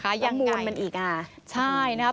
โอ้โฮมันมูลมันอีกอ่ะยังไงใช่นะคะ